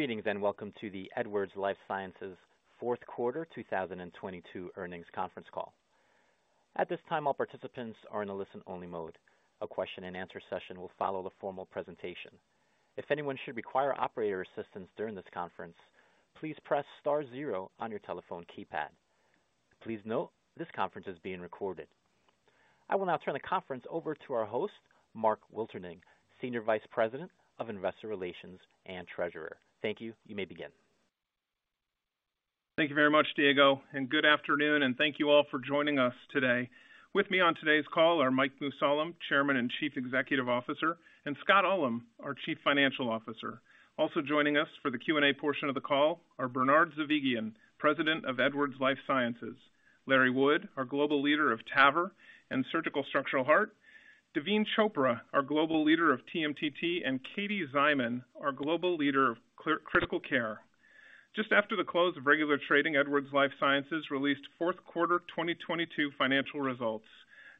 Greetings, and welcome to the Edwards Lifesciences fourth quarter 2022 earnings conference call. At this time, all participants are in a listen-only mode. A question-and-answer session will follow the formal presentation. If anyone should require operator assistance during this conference, please press star zero on your telephone keypad. Please note, this conference is being recorded. I will now turn the conference over to our host, Mark Wilterding, Senior Vice President of Investor Relations and Treasurer. Thank you. You may begin. Thank you very much, Diego. Good afternoon, and thank you all for joining us today. With me on today's call are Mike Mussallem, Chairman and Chief Executive Officer, and Scott Ullem, our Chief Financial Officer. Also joining us for the Q&A portion of the call are Bernard Zovighian, President of Edwards Lifesciences, Larry Wood, our Global Leader of TAVR and Surgical Structural Heart, Daveen Chopra, our Global Leader of TMTT, and Katie Szyman, our Global Leader of Critical Care. Just after the close of regular trading, Edwards Lifesciences released fourth quarter 2022 financial results.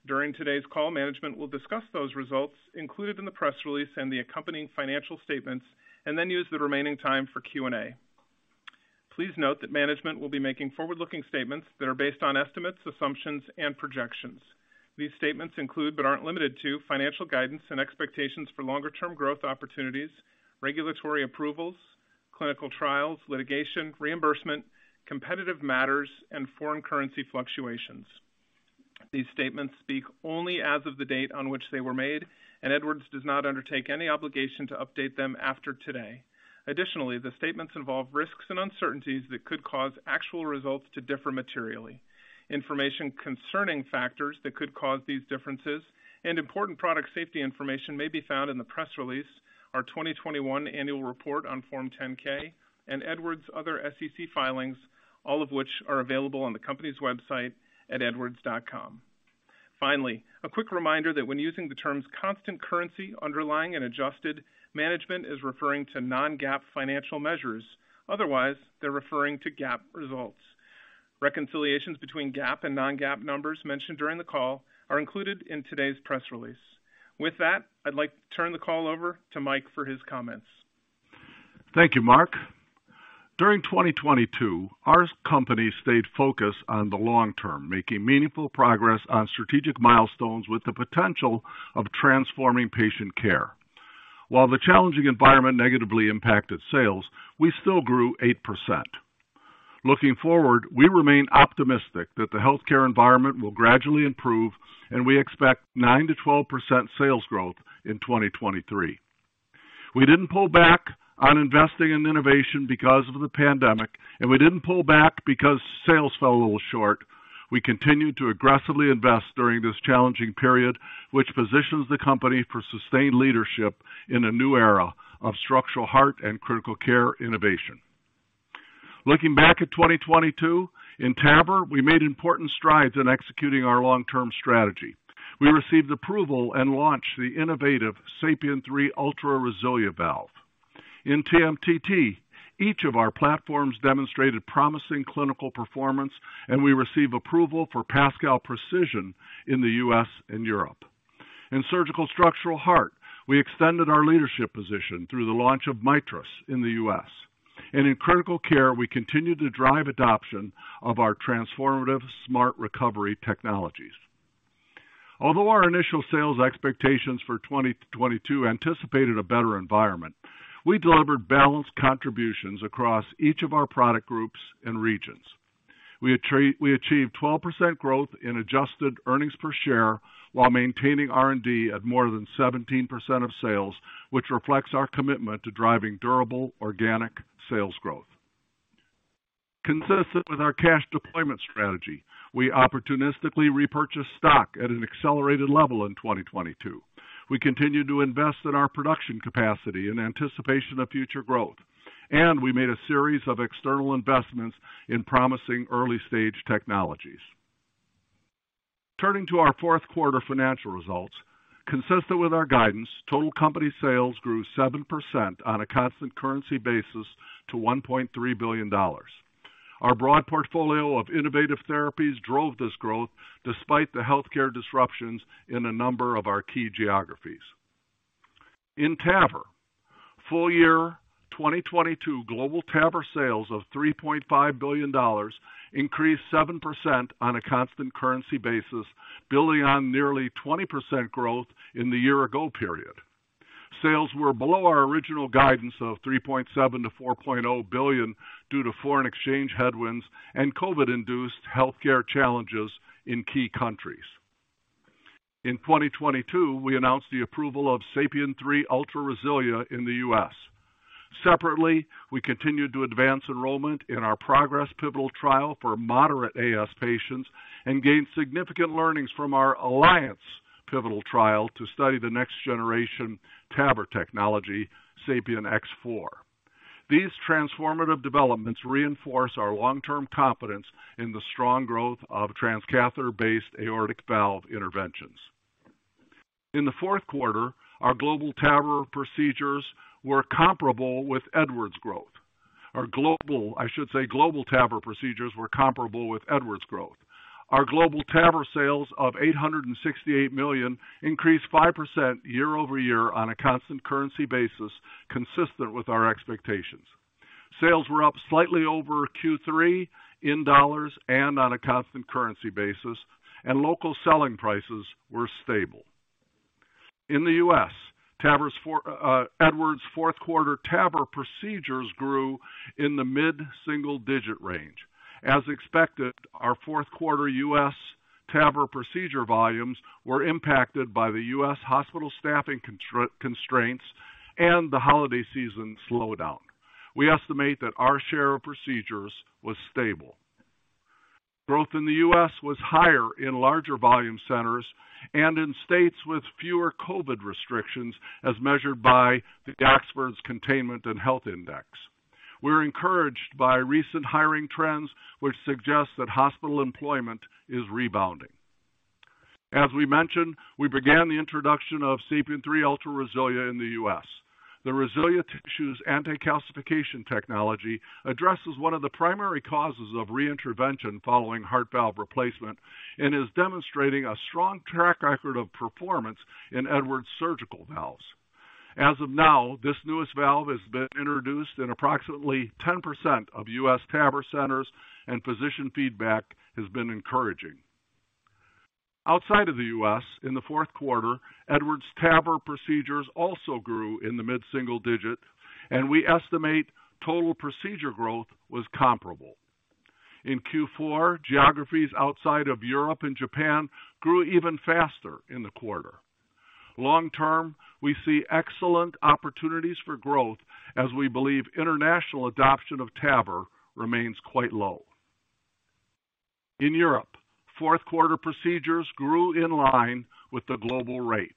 During today's call, management will discuss those results included in the press release and the accompanying financial statements and then use the remaining time for Q&A. Please note that management will be making forward-looking statements that are based on estimates, assumptions, and projections. These statements include, but aren't limited to, financial guidance and expectations for longer-term growth opportunities, regulatory approvals, clinical trials, litigation, reimbursement, competitive matters, and foreign currency fluctuations. These statements speak only as of the date on which they were made, and Edwards does not undertake any obligation to update them after today. Additionally, the statements involve risks and uncertainties that could cause actual results to differ materially. Information concerning factors that could cause these differences and important product safety information may be found in the press release our 2021 annual report on Form 10-K and Edwards other SEC filings, all of which are available on the company's website at edwards.com. Finally, a quick reminder that when using the terms constant currency, underlying and adjusted, management is referring to non-GAAP financial measures. Otherwise, they're referring to GAAP results. Reconciliations between GAAP and non-GAAP numbers mentioned during the call are included in today's press release. With that, I'd like to turn the call over to Mike for his comments. Thank you, Mark. During 2022, our company stayed focused on the long term, making meaningful progress on strategic milestones with the potential of transforming patient care. While the challenging environment negatively impacted sales, we still grew 8%. Looking forward, we remain optimistic that the healthcare environment will gradually improve, we expect 9%-12% sales growth in 2023. We didn't pull back on investing in innovation because of the pandemic, we didn't pull back because sales fell a little short. We continued to aggressively invest during this challenging period, which positions the company for sustained leadership in a new era of structural heart and critical care innovation. Looking back at 2022, in TAVR, we made important strides in executing our long-term strategy. We received approval and launched the innovative SAPIEN 3 Ultra RESILIA valve. In TMTT, each of our platforms demonstrated promising clinical performance. We received approval for PASCAL Precision in the U.S. and Europe. In surgical structural heart, we extended our leadership position through the launch of MITRIS in the U.S. In critical care, we continued to drive adoption of our transformative smart recovery technologies. Although our initial sales expectations for 2022 anticipated a better environment, we delivered balanced contributions across each of our product groups and regions. We achieved 12% growth in adjusted earnings per share while maintaining R&D at more than 17% of sales, which reflects our commitment to driving durable organic sales growth. Consistent with our cash deployment strategy, we opportunistically repurchased stock at an accelerated level in 2022. We continued to invest in our production capacity in anticipation of future growth. We made a series of external investments in promising early-stage technologies. Turning to our fourth quarter financial results. Consistent with our guidance, total company sales grew 7% on a constant currency basis to $1.3 billion. Our broad portfolio of innovative therapies drove this growth despite the healthcare disruptions in a number of our key geographies. In TAVR, full year 2022 global TAVR sales of $3.5 billion increased 7% on a constant currency basis, building on nearly 20% growth in the year ago period. Sales were below our original guidance of $3.7 billion-$4 billion due to foreign exchange headwinds and COVID-induced healthcare challenges in key countries. In 2022, we announced the approval of SAPIEN 3 Ultra RESILIA in the U.S. Separately, we continued to advance enrollment in our PROGRESS pivotal trial for moderate AS patients and gained significant learnings from our ALLIANCE pivotal trial to study the next generation TAVR technology, SAPIEN X4. These transformative developments reinforce our long-term confidence in the strong growth of transcatheter-based aortic valve interventions. In the fourth quarter, our global TAVR procedures were comparable with Edwards growth. I should say global TAVR procedures were comparable with Edwards growth. Our global TAVR procedures were comparable with Edwards growth. Our global TAVR sales of $868 million increased 5% year-over-year on a constant currency basis, consistent with our expectations. Sales were up slightly over Q3 in dollars and on a constant currency basis, and local selling prices were stable. In the U.S., TAVRs for Edwards' fourth quarter TAVR procedures grew in the mid-single digit range. As expected, our fourth quarter US TAVR procedure volumes were impacted by the US hospital staffing constraints and the holiday season slowdown. We estimate that our share of procedures was stable. Growth in the US was higher in larger volume centers and in states with fewer COVID restrictions, as measured by the Oxford Containment and Health Index. We're encouraged by recent hiring trends, which suggest that hospital employment is rebounding. As we mentioned, we began the introduction of SAPIEN 3 Ultra RESILIA in the US. The RESILIA tissue's anti-calcification technology addresses one of the primary causes of reintervention following heart valve replacement and is demonstrating a strong track record of performance in Edwards surgical valves. As of now, this newest valve has been introduced in approximately 10% of US TAVR centers, and physician feedback has been encouraging. Outside of the U.S., in the fourth quarter, Edwards TAVR procedures also grew in the mid-single digit. We estimate total procedure growth was comparable. In Q4, geographies outside of Europe and Japan grew even faster in the quarter. Long-term, we see excellent opportunities for growth as we believe international adoption of TAVR remains quite low. In Europe, fourth quarter procedures grew in line with the global rate.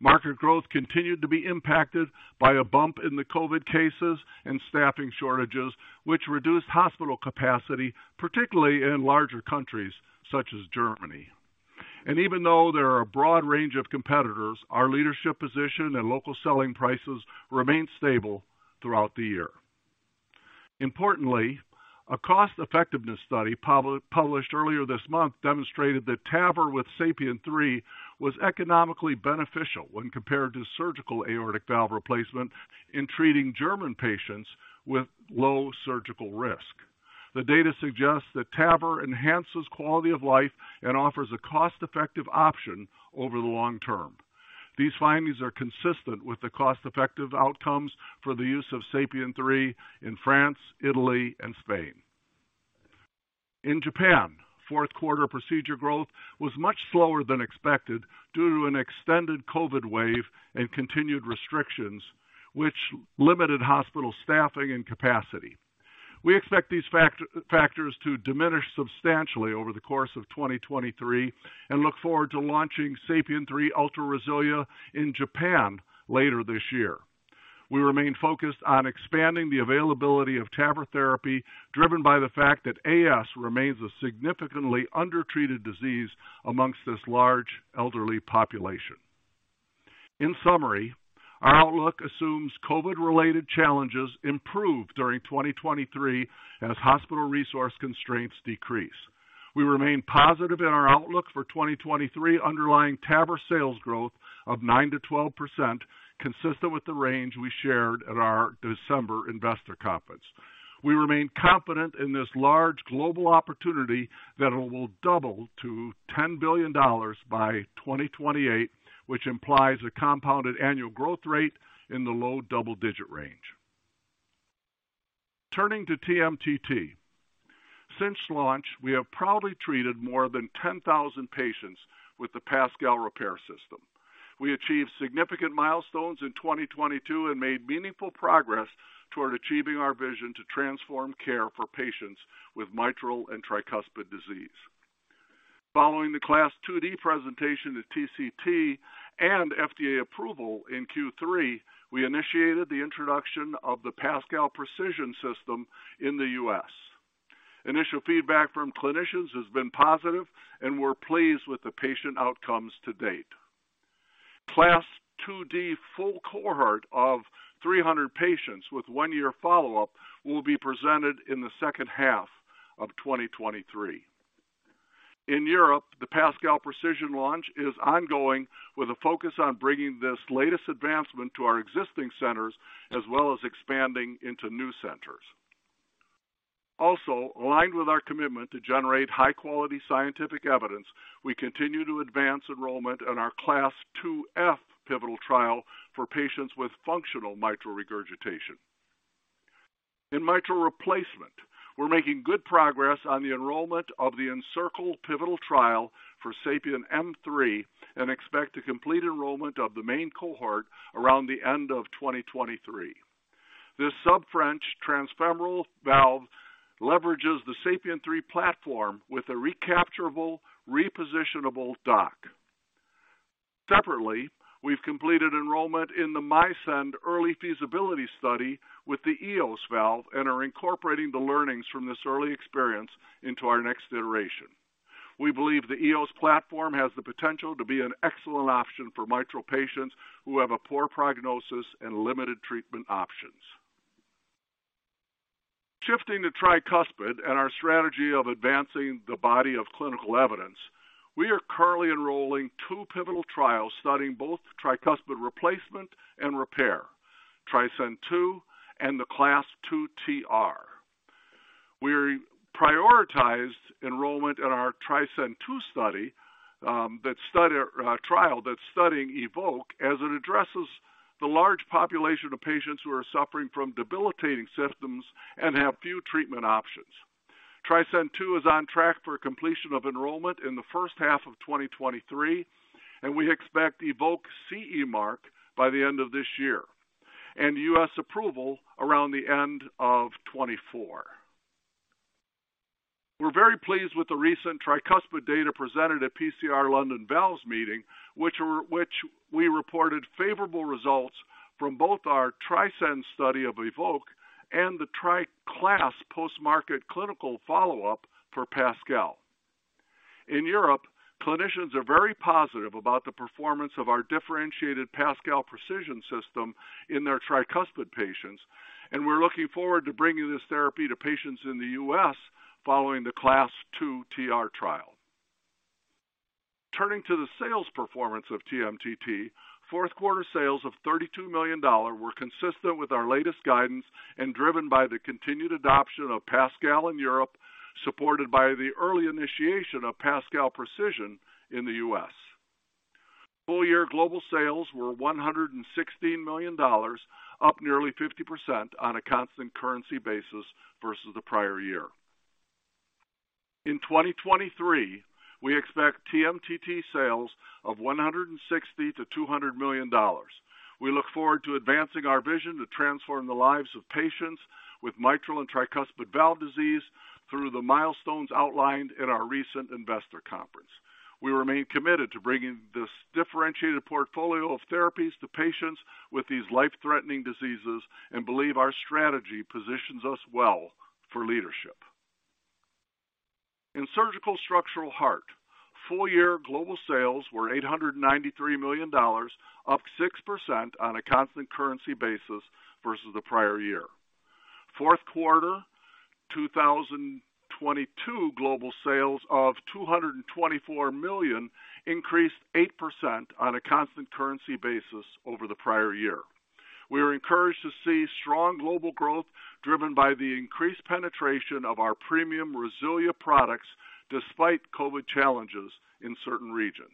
Market growth continued to be impacted by a bump in the COVID cases and staffing shortages, which reduced hospital capacity, particularly in larger countries such as Germany. Even though there are a broad range of competitors, our leadership position and local selling prices remained stable throughout the year. Importantly, a cost-effectiveness study published earlier this month demonstrated that TAVR with SAPIEN 3 was economically beneficial when compared to surgical aortic valve replacement in treating German patients with low surgical risk. The data suggests that TAVR enhances quality of life and offers a cost-effective option over the long term. These findings are consistent with the cost-effective outcomes for the use of SAPIEN 3 in France, Italy, and Spain. In Japan, fourth quarter procedure growth was much slower than expected due to an extended COVID wave and continued restrictions, which limited hospital staffing and capacity. We expect these factors to diminish substantially over the course of 2023 and look forward to launching SAPIEN 3 Ultra RESILIA in Japan later this year. We remain focused on expanding the availability of TAVR therapy, driven by the fact that AS remains a significantly undertreated disease amongst this large elderly population. In summary, our outlook assumes COVID-related challenges improve during 2023 as hospital resource constraints decrease. We remain positive in our outlook for 2023 underlying TAVR sales growth of 9%-12%, consistent with the range we shared at our December investor conference. We remain confident in this large global opportunity that it will double to $10 billion by 2028, which implies a compounded annual growth rate in the low double-digit range. Turning to TMTT. Since launch, we have proudly treated more than 10,000 patients with the PASCAL repair system. We achieved significant milestones in 2022 and made meaningful progress toward achieving our vision to transform care for patients with mitral and tricuspid disease. Following the CLASP IID presentation at TCT and FDA approval in Q3, we initiated the introduction of the PASCAL Precision system in the U.S. Initial feedback from clinicians has been positive, and we're pleased with the patient outcomes to date. CLASP IID full cohort of 300 patients with 1-year follow-up will be presented in the second half of 2023. In Europe, the PASCAL Precision launch is ongoing with a focus on bringing this latest advancement to our existing centers as well as expanding into new centers. Also, aligned with our commitment to generate high-quality scientific evidence, we continue to advance enrollment in our CLASP IIF pivotal trial for patients with functional mitral regurgitation. In mitral replacement, we're making good progress on the enrollment of the ENCIRCLE pivotal trial for SAPIEN M3 and expect to complete enrollment of the main cohort around the end of 2023. This sub-French transfemoral valve leverages the SAPIEN 3 platform with a recapturable, repositionable dock. Separately, we've completed enrollment in the MISCEND early feasibility study with the Eos valve and are incorporating the learnings from this early experience into our next iteration. We believe the EOS platform has the potential to be an excellent option for mitral patients who have a poor prognosis and limited treatment options. Shifting to tricuspid and our strategy of advancing the body of clinical evidence, we are currently enrolling 2 pivotal trials studying both tricuspid replacement and repair, TRISCEND II and the CLASP II TR. We prioritized enrollment in our TRISCEND II study, that trial that's studying EVOQUE as it addresses the large population of patients who are suffering from debilitating symptoms and have few treatment options. TRISCEND II is on track for completion of enrollment in the first half of 2023, and we expect EVOQUE CE mark by the end of this year, and U.S. approval around the end of 2024. We're very pleased with the recent tricuspid data presented at PCR London Valves meeting, which we reported favorable results from both our TRISCEND study of EVOQUE and the TriCLASP post-market clinical follow-up for PASCAL. In Europe, clinicians are very positive about the performance of our differentiated PASCAL Precision system in their tricuspid patients, and we're looking forward to bringing this therapy to patients in the US following the CLASP II TR trial. Turning to the sales performance of TMTT, fourth quarter sales of $32 million were consistent with our latest guidance and driven by the continued adoption of PASCAL in Europe, supported by the early initiation of PASCAL Precision in the US. Full year global sales were $116 million, up nearly 50% on a constant currency basis versus the prior year. In 2023, we expect TMTT sales of $160 million-$200 million. We look forward to advancing our vision to transform the lives of patients with mitral and tricuspid valve disease through the milestones outlined at our recent investor conference. We remain committed to bringing this differentiated portfolio of therapies to patients with these life-threatening diseases and believe our strategy positions us well for leadership. In surgical structural heart, full year global sales were $893 million, up 6% on a constant currency basis versus the prior year. Fourth quarter 2022 global sales of $224 million increased 8% on a constant currency basis over the prior year. We are encouraged to see strong global growth driven by the increased penetration of our premium RESILIA products despite COVID challenges in certain regions.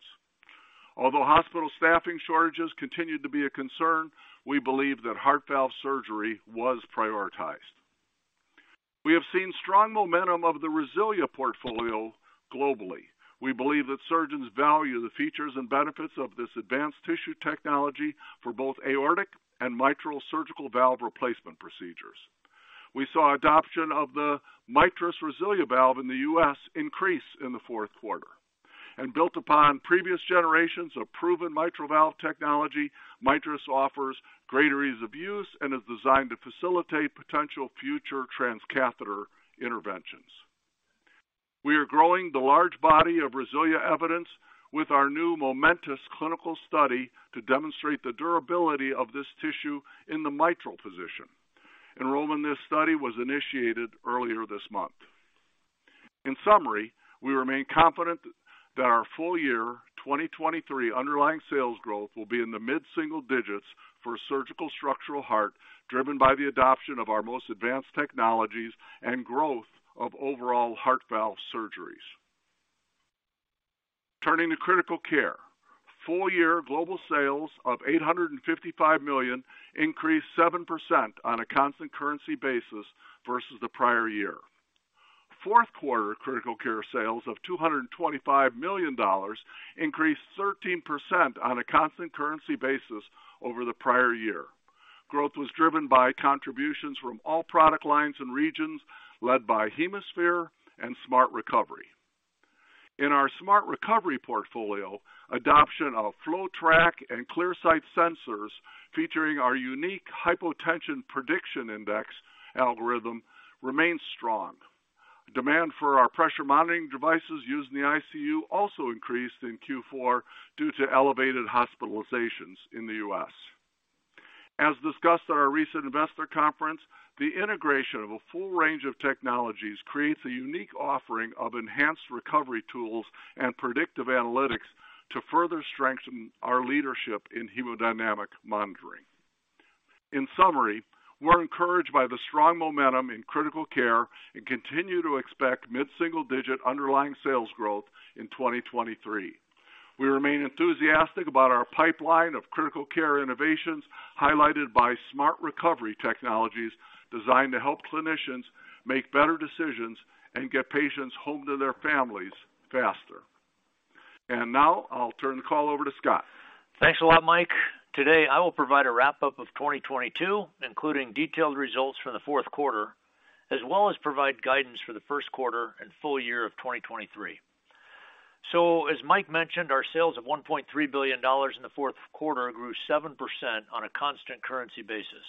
Although hospital staffing shortages continued to be a concern, we believe that heart valve surgery was prioritized. We have seen strong momentum of the RESILIA portfolio globally. We believe that surgeons value the features and benefits of this advanced tissue technology for both aortic and mitral surgical valve replacement procedures. We saw adoption of the MITRIS RESILIA valve in the U.S. increase in the fourth quarter. Built upon previous generations of proven mitral valve technology, MITRIS offers greater ease of use and is designed to facilitate potential future transcatheter interventions. We are growing the large body of RESILIA evidence with our new MOMENTUS clinical study to demonstrate the durability of this tissue in the mitral position. Enrollment in this study was initiated earlier this month. In summary, we remain confident that our full year 2023 underlying sales growth will be in the mid-single digits for Surgical Structural Heart, driven by the adoption of our most advanced technologies and growth of overall heart valve surgeries. Turning to Critical Care. Full year global sales of $855 million increased 7% on a constant currency basis versus the prior year. Fourth quarter Critical Care sales of $225 million increased 13% on a constant currency basis over the prior year. Growth was driven by contributions from all product lines and regions led by HemoSphere and Smart Recovery. In our Smart Recovery portfolio, adoption of FloTrac and ClearSight sensors featuring our unique Hypotension Prediction Index algorithm remains strong. Demand for our pressure monitoring devices used in the ICU also increased in Q4 due to elevated hospitalizations in the U.S. As discussed at our recent investor conference, the integration of a full range of technologies creates a unique offering of enhanced recovery tools and predictive analytics to further strengthen our leadership in hemodynamic monitoring. In summary, we're encouraged by the strong momentum in critical care and continue to expect mid-single digit underlying sales growth in 2023. We remain enthusiastic about our pipeline of critical care innovations highlighted by Smart Recovery technologies designed to help clinicians make better decisions and get patients home to their families faster. Now I'll turn the call over to Scott. Thanks a lot, Mike. Today, I will provide a wrap-up of 2022, including detailed results from the fourth quarter, as well as provide guidance for the first quarter and full year of 2023. As Mike mentioned, our sales of $1.3 billion in the fourth quarter grew 7% on a constant currency basis,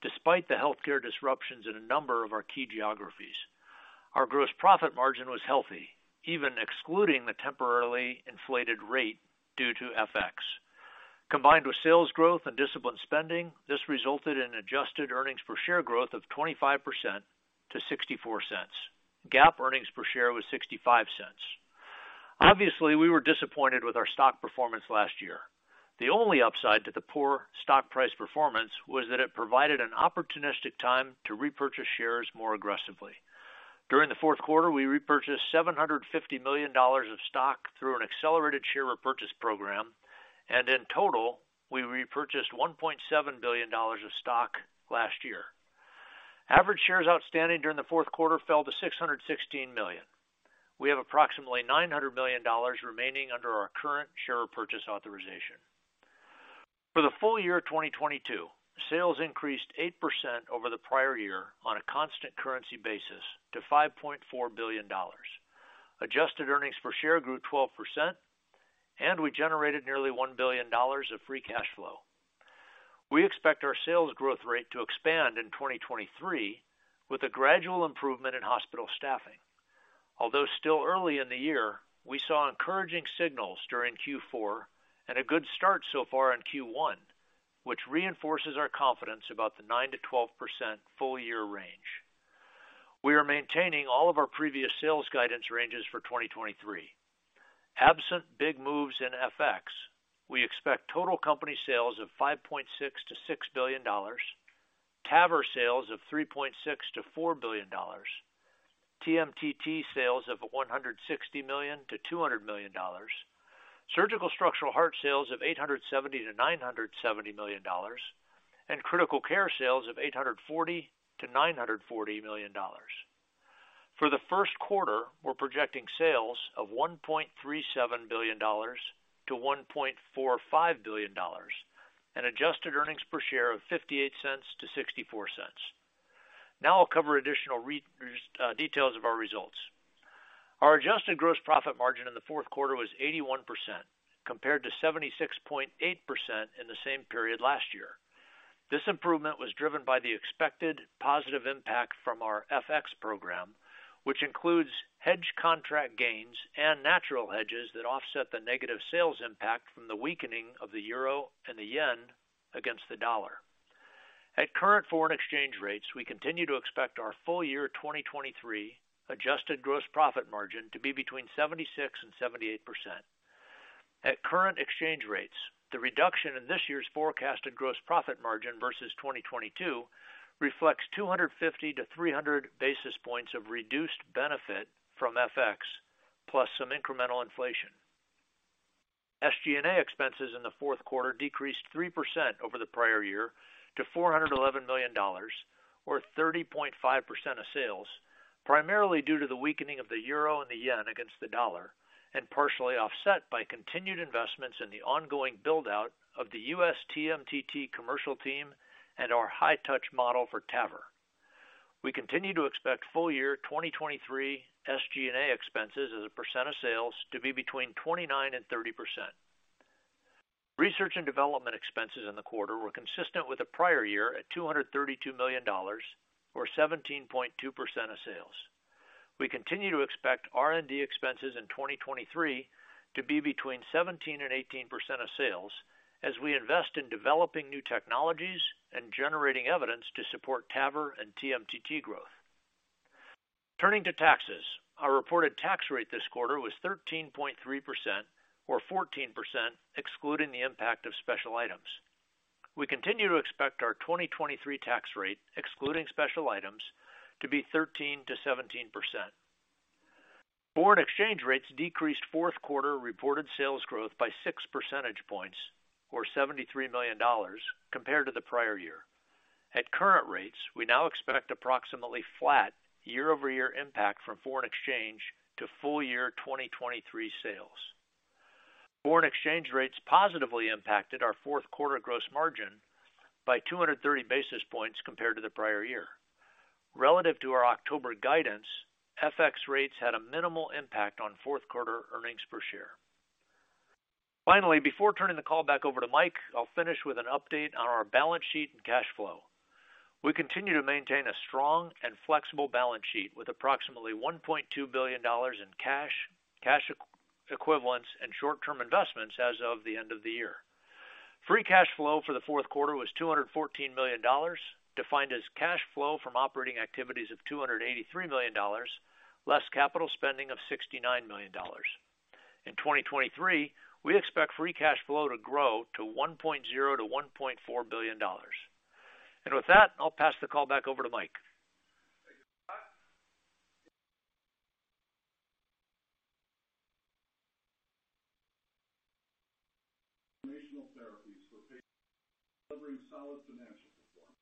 despite the healthcare disruptions in a number of our key geographies. Our gross profit margin was healthy, even excluding the temporarily inflated rate due to FX. Combined with sales growth and disciplined spending, this resulted in adjusted earnings per share growth of 25% to $0.64. GAAP earnings per share was $0.65. Obviously, we were disappointed with our stock performance last year. The only upside to the poor stock price performance was that it provided an opportunistic time to repurchase shares more aggressively. During the fourth quarter, we repurchased $750 million of stock through an accelerated share repurchase program. In total, we repurchased $1.7 billion of stock last year. Average shares outstanding during the fourth quarter fell to 616 million. We have approximately $900 million remaining under our current share purchase authorization. For the full year of 2022, sales increased 8% over the prior year on a constant currency basis to $5.4 billion. Adjusted earnings per share grew 12%. We generated nearly $1 billion of free cash flow. We expect our sales growth rate to expand in 2023 with a gradual improvement in hospital staffing. Although still early in the year, we saw encouraging signals during Q4 and a good start so far in Q1, which reinforces our confidence about the 9%-12% full year range. We are maintaining all of our previous sales guidance ranges for 2023. Absent big moves in FX, we expect total company sales of $5.6 billion-$6 billion, TAVR sales of $3.6 billion-$4 billion, TMTT sales of $160 million-$200 million, surgical structural heart sales of $870 million-$970 million, and critical care sales of $840 million-$940 million. For the first quarter, we're projecting sales of $1.37 billion-$1.45 billion, an adjusted earnings per share of $0.58-$0.64. I'll cover additional details of our results. Our adjusted gross profit margin in the fourth quarter was 81% compared to 76.8% in the same period last year. This improvement was driven by the expected positive impact from our FX program, which includes hedge contract gains and natural hedges that offset the negative sales impact from the weakening of the euro and the yen against the dollar. At current foreign exchange rates, we continue to expect our full year 2023 adjusted gross profit margin to be between 76% and 78%. At current exchange rates, the reduction in this year's forecasted gross profit margin versus 2022 reflects 250-300 basis points of reduced benefit from FX plus some incremental inflation. SG&A expenses in the fourth quarter decreased 3% over the prior year to $411 million or 30.5% of sales, primarily due to the weakening of the euro and the yen against the dollar, and partially offset by continued investments in the ongoing build-out of the U.S. TMTT commercial team and our high-touch model for TAVR. We continue to expect full year 2023 SG&A expenses as a percent of sales to be between 29% and 30%. Research and development expenses in the quarter were consistent with the prior year at $232 million or 17.2% of sales. We continue to expect R&D expenses in 2023 to be between 17% and 18% of sales as we invest in developing new technologies and generating evidence to support TAVR and TMTT growth. Turning to taxes. Our reported tax rate this quarter was 13.3% or 14% excluding the impact of special items. We continue to expect our 2023 tax rate, excluding special items, to be 13%-17%. Foreign exchange rates decreased fourth quarter reported sales growth by 6 percentage points or $73 million compared to the prior year. At current rates, we now expect approximately flat year-over-year impact from foreign exchange to full year 2023 sales. Foreign exchange rates positively impacted our fourth quarter gross margin by 230 basis points compared to the prior year. Relative to our October guidance, FX rates had a minimal impact on fourth quarter earnings per share. Finally, before turning the call back over to Mike, I'll finish with an update on our balance sheet and cash flow. We continue to maintain a strong and flexible balance sheet with approximately $1.2 billion in cash equivalents and short-term investments as of the end of the year. Free cash flow for the fourth quarter was $214 million, defined as cash flow from operating activities of $283 million, less capital spending of $69 million. In 2023, we expect free cash flow to grow to $1.0 billion-$1.4 billion. With that, I'll pass the call back over to Mike. Thank you, Scott. Informational therapies for patients delivering solid financial performance.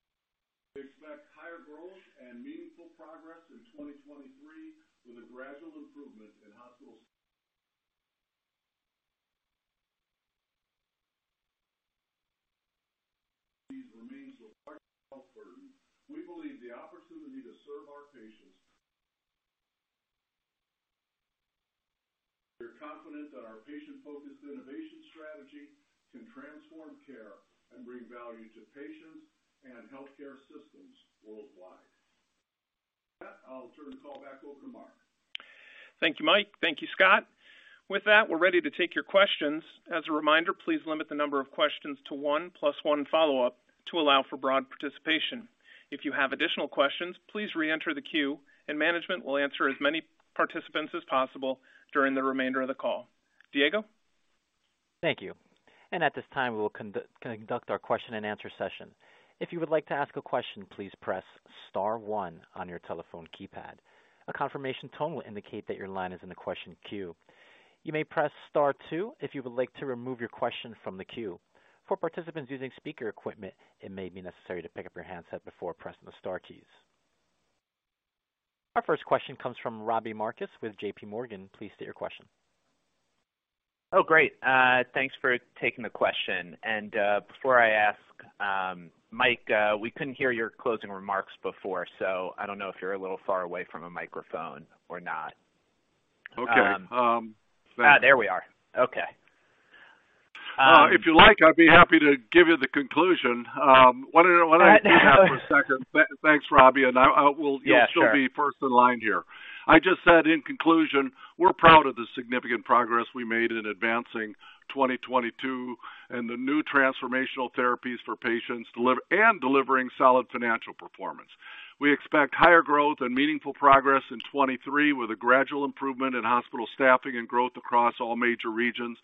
We expect higher growth and meaningful progress in 2023 with a gradual improvement in hospital. Disease remains a large health burden. We believe the opportunity to serve our patients. We are confident that our patient-focused innovation strategy can transform care and bring value to patients and healthcare systems worldwide. I'll turn the call back over to Mark. Thank you, Mike. Thank you, Scott. With that, we're ready to take your questions. As a reminder, please limit the number of questions to one plus one follow-up to allow for broad participation. If you have additional questions, please re-enter the queue and management will answer as many participants as possible during the remainder of the call. Diego. Thank you. At this time, we will conduct our question and answer session. If you would like to ask a question, please press star one on your telephone keypad. A confirmation tone will indicate that your line is in the question queue. You may press star two if you would like to remove your question from the queue. For participants using speaker equipment, it may be necessary to pick up your handset before pressing the star keys. Our first question comes from Robbie Marcus with JP Morgan. Please state your question. Oh, great. Thanks for taking the question. Before I ask, Mike, we couldn't hear your closing remarks before, so I don't know if you're a little far away from a microphone or not. Okay. There we are. Okay. If you like, I'd be happy to give you the conclusion. Why don't I do that for a second? Thanks, Robbie. Yeah, sure. You'll still be first in line here. I just said, in conclusion, we're proud of the significant progress we made in advancing 2022 and the new transformational therapies for patients delivering solid financial performance. We expect higher growth and meaningful progress in 2023, with a gradual improvement in hospital staffing and growth across all major regions.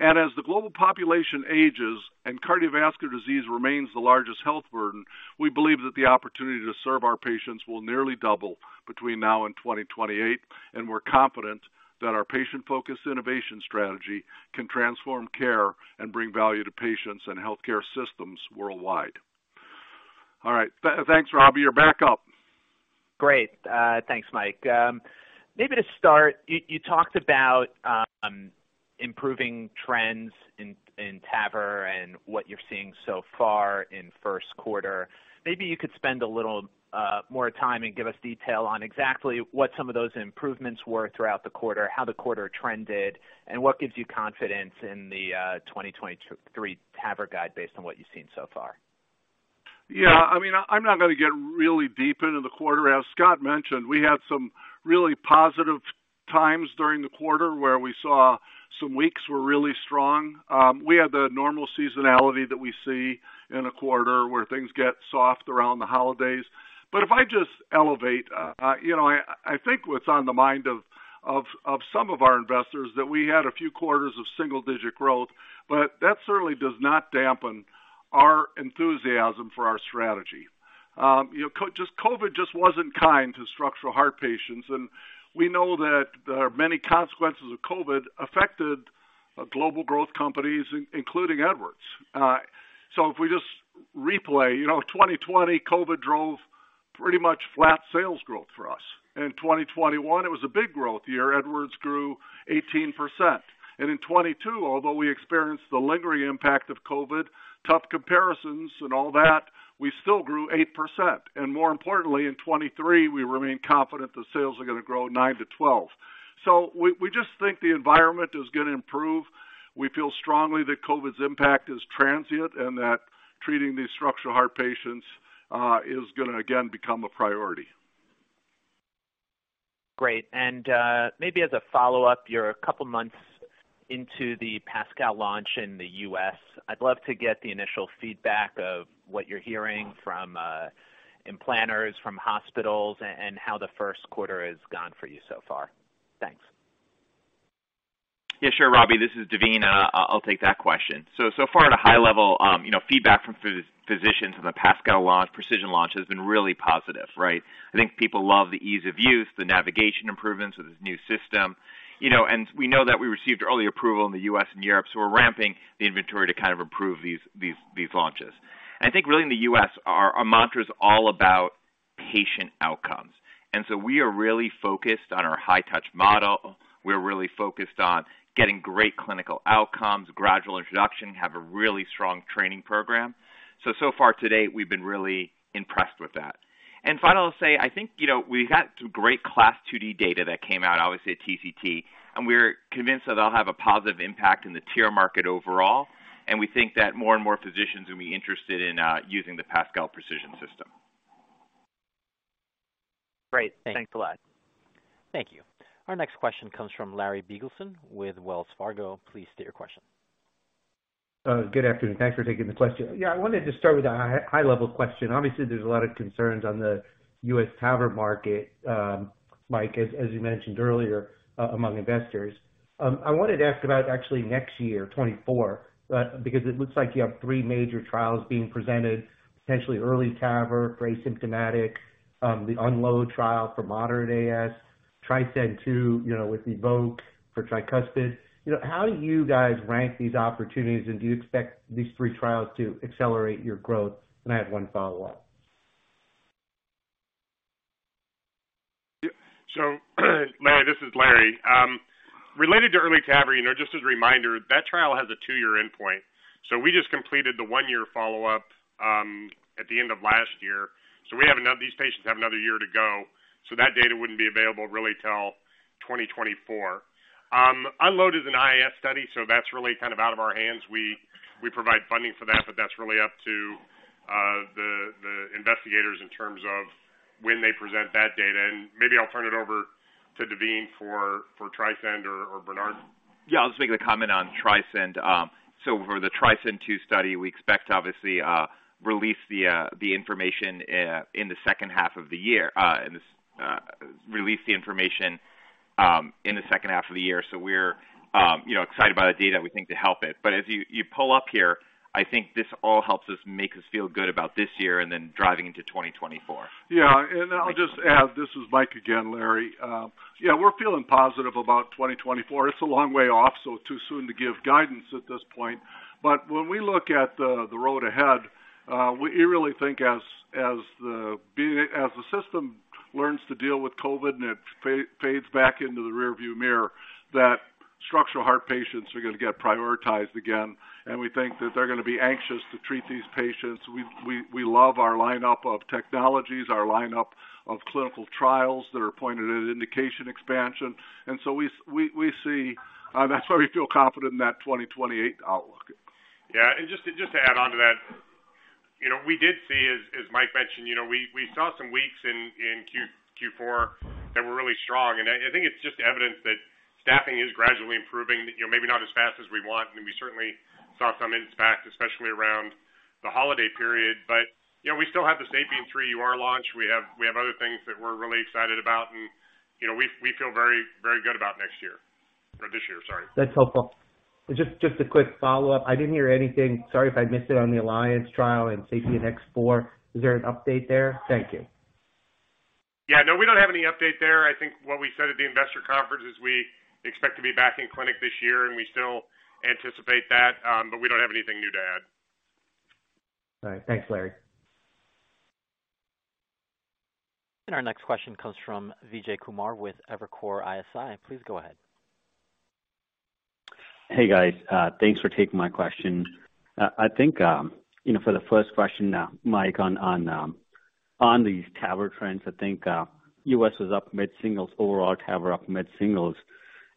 As the global population ages and cardiovascular disease remains the largest health burden, we believe that the opportunity to serve our patients will nearly double between now and 2028. We're confident that our patient-focused innovation strategy can transform care and bring value to patients and healthcare systems worldwide. All right. Thanks, Robbie. You're back up. Great. Thanks, Mike. Maybe to start, you talked about improving trends in TAVR and what you're seeing so far in first quarter. Maybe you could spend a little more time and give us detail on exactly what some of those improvements were throughout the quarter, how the quarter trended, and what gives you confidence in the 2023 TAVR guide based on what you've seen so far? Yeah, I mean, I'm not gonna get really deep into the quarter. As Scott mentioned, we had some really positive times during the quarter where we saw some weeks were really strong. We had the normal seasonality that we see in a quarter where things get soft around the holidays. If I just elevate, you know, I think what's on the mind of some of our investors that we had a few quarters of single-digit growth. That certainly does not dampen our enthusiasm for our strategy. You know, just COVID just wasn't kind to structural heart patients, and we know that there are many consequences of COVID affected global growth companies, including Edwards. If we just replay, you know, 2020 COVID drove pretty much flat sales growth for us. In 2021, it was a big growth year. Edwards grew 18%. In 2022, although we experienced the lingering impact of COVID, tough comparisons and all that, we still grew 8%. More importantly, in 2023, we remain confident that sales are gonna grow 9-12%. We just think the environment is gonna improve. We feel strongly that COVID's impact is transient and that treating these structural heart patients is gonna again become a priority. Great. Maybe as a follow-up, you're a couple of months into the PASCAL launch in the U.S. I'd love to get the initial feedback of what you're hearing from implanters, from hospitals, and how the first quarter has gone for you so far. Thanks. Yeah, sure, Robbie, this is Daveen. I'll take that question. So far at a high level, you know, feedback from physicians on the PASCAL launch, Precision launch, has been really positive, right? I think people love the ease of use, the navigation improvements of this new system, you know, and we know that we received early approval in the U.S. and Europe, so we're ramping the inventory to kind of improve these launches. I think really in the U.S., our mantra is all about patient outcomes, and so we are really focused on our high touch model. We're really focused on getting great clinical outcomes, gradual introduction, have a really strong training program. So far to date, we've been really impressed with that. Finally, I'll say I think, you know, we've got some great CLASP IID data that came out, obviously at TCT, and we're convinced that they'll have a positive impact in the tier market overall. We think that more and more physicians will be interested in using the PASCAL Precision system. Great. Thanks a lot. Thank you. Our next question comes from Larry Biegelsen with Wells Fargo. Please state your question. Good afternoon. Thanks for taking the question. Yeah, I wanted to start with a high-level question. Obviously, there's a lot of concerns on the U.S. TAVR market, Mike, as you mentioned earlier, among investors. I wanted to ask about actually next year, 2024, because it looks like you have three major trials being presented, potentially early TAVR for asymptomatic, the UNLOAD trial for moderate AS, TRISCEND II, you know, with EVOQUE for tricuspid. You know, how do you guys rank these opportunities, and do you expect these three trials to accelerate your growth? I have one follow-up. Larry, this is Larry. Related to early TAVR, you know, just as a reminder, that trial has a 2-year endpoint. We just completed the 1-year follow-up, at the end of last year. We have these patients have another year to go, that data wouldn't be available really till 2024. UNLOAD is an IF study, that's really kind of out of our hands. We, we provide funding for that, but that's really up to the. Investigators in terms of when they present that data. Maybe I'll turn it over to Daveen for TRISCEND or Bernard. Yeah, I'll just make the comment on TRISCEND. For the TRISCEND II study, we expect to obviously release the information in the second half of the year. We're, you know, excited about the data, we think to help it. As you pull up here, I think this all helps us make us feel good about this year and then driving into 2024. I'll just add, this is Mike again, Larry. We're feeling positive about 2024. It's a long way off, so too soon to give guidance at this point. When we look at the road ahead, we really think as the system learns to deal with COVID and it fades back into the rearview mirror, that structural heart patients are gonna get prioritized again, and we think that they're gonna be anxious to treat these patients. We love our lineup of technologies, our lineup of clinical trials that are pointed at indication expansion. We see that's why we feel confident in that 2028 outlook. Yeah. Just to add on to that, you know, we did see, as Mike mentioned, you know, we saw some weeks in Q4 that were reall strong. I think it's just evidence that staffing is gradually improving, you know, maybe not as fast as we want. We certainly saw some impact, especially around the holiday period. You know, we still have the SAPIEN 3 Ultra RESILIA launch. We have other things that we're really excited about. You know, we feel very good about next year. This year. Sorry. That's helpful. Just a quick follow-up. I didn't hear anything. Sorry if I missed it on the ALLIANCE trial and safety of X4. Is there an update there? Thank you. Yeah, no, we don't have any update there. I think what we said at the investor conference is we expect to be back in clinic this year. We still anticipate that. We don't have anything new to add. All right. Thanks, Larry. Our next question comes from Vijay Kumar with Evercore ISI. Please go ahead. Hey, guys. thanks for taking my question. I think, you know, for the first question, Mike, on these TAVR trends, I think, U.S. was up mid-singles, overall TAVR up mid-singles.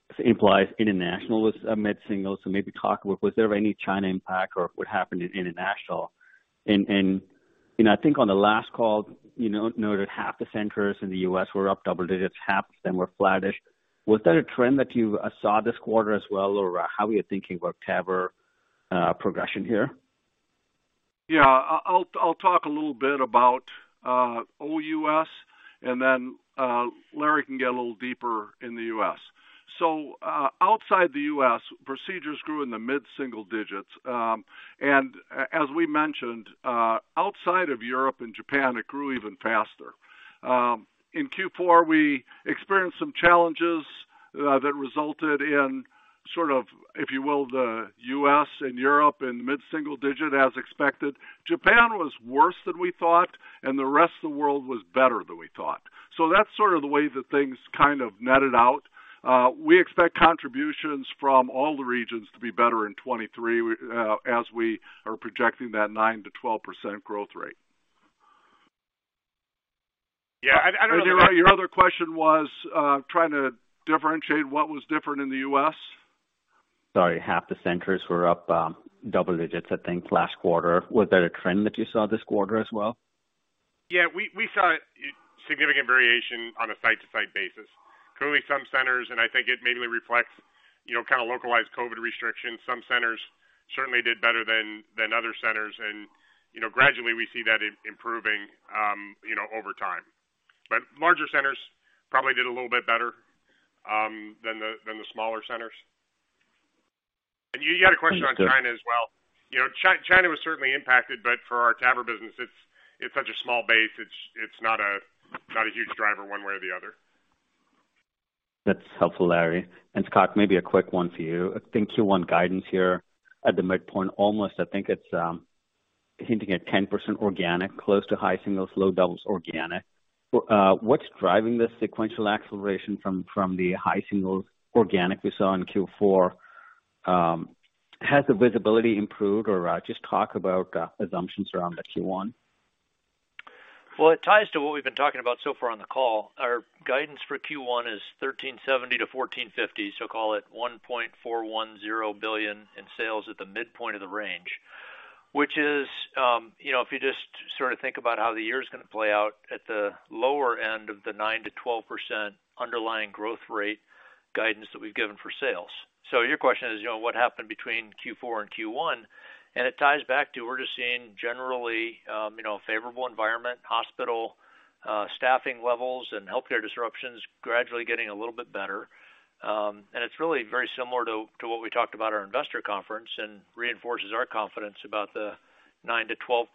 This implies international was mid-singles. Maybe talk, was there any China impact or what happened in international? You know, I think on the last call, you know, noted half the centers in the U.S. were up double digits, half of them were flattish. Was that a trend that you saw this quarter as well? How are you thinking about TAVR progression here? Yeah. I'll talk a little bit about OUS, and then Larry can get a little deeper in the US. Outside the US, procedures grew in the mid-single digits. As we mentioned, outside of Europe and Japan, it grew even faster. In Q4, we experienced some challenges that resulted in sort of, if you will, the US and Europe in mid-single digit as expected. Japan was worse than we thought, and the rest of the world was better than we thought. That's sort of the way that things kind of netted out. We expect contributions from all the regions to be better in 2023, as we are projecting that 9%-12% growth rate. Yeah, I don't know... Your, your other question was trying to differentiate what was different in the US? Sorry. Half the centers were up, double digits, I think, last quarter. Was that a trend that you saw this quarter as well? Yeah. We saw significant variation on a site-to-site basis. Clearly, some centers, and I think it mainly reflects, you know, kinda localized COVID restrictions. Some centers certainly did better than other centers. You know, gradually we see that improving, you know, over time. Larger centers probably did a little bit better than the smaller centers. You had a question about China as well. You know, China was certainly impacted, but for our TAVR business, it's such a small base. It's not a huge driver one way or the other. That's helpful, Larry. Scott, maybe a quick one for you. I think Q1 guidance here at the midpoint, almost I think it's, hinting at 10% organic, close to high singles, low doubles organic. What's driving the sequential acceleration from the high singles organic we saw in Q4? Has the visibility improved? Or, just talk about assumptions around the Q1. Well, it ties to what we've been talking about so far on the call. Our guidance for Q1 is $1.37 billion-$1.45 billion, so call it $1.410 billion in sales at the midpoint of the range. Which is, you know, if you just sort of think about how the year's gonna play out at the lower end of the 9%-12% underlying growth rate guidance that we've given for sales. Your question is, you know, what happened between Q4 and Q1? It ties back to we're just seeing generally, you know, a favorable environment, hospital, staffing levels and healthcare disruptions gradually getting a little bit better. It's really very similar to what we talked about at our investor conference and reinforces our confidence about the 9%-12%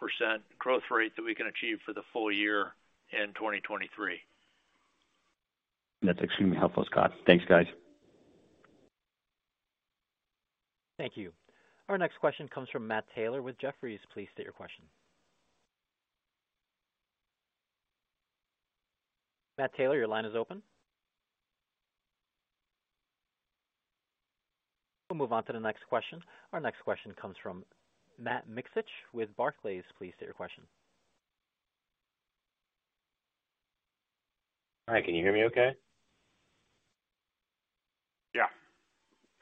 growth rate that we can achieve for the full year in 2023. That's extremely helpful, Scott. Thanks, guys. Thank you. Our next question comes from Matthew Taylor with Jefferies. Please state your question. Matthew Taylor, your line is open. We'll move on to the next question. Our next question comes from Matthew Miksic with Barclays. Please state your question. Hi. Can you hear me okay?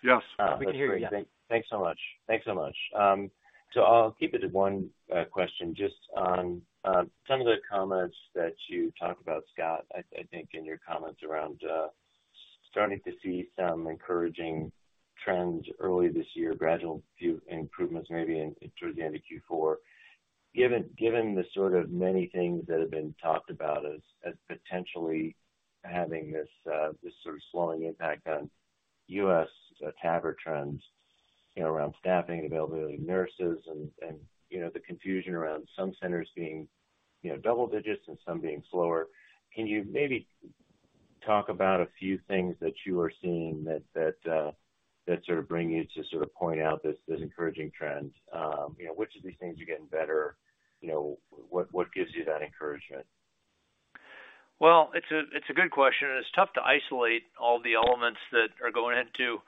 Yes. We can hear you. Thanks so much. I'll keep it to one question just on some of the comments that you talked about, Scott, I think in your comments around starting to see some encouraging trends early this year, gradual few improvements maybe towards the end of Q4. Given the sort of many things that have been talked about as potentially having this sort of slowing impact on U.S. TAVR trends, you know, around staffing, availability of nurses and, you know, the confusion around some centers being, you know, double digits and some being slower. Can you maybe talk about a few things that you are seeing that sort of bring you to sort of point out this encouraging trend? You know, which of these things are getting better? You know, what gives you that encouragement? It's a good question, and it's tough to isolate all the elements that are going into,